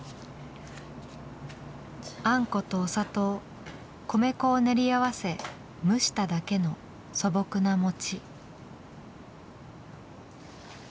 あんことお砂糖米粉を練り合わせ蒸しただけの素朴な餅。